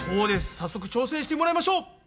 早速挑戦してもらいましょう！